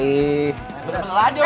bener bener aja poh